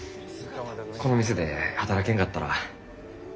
この店で働けんかったら。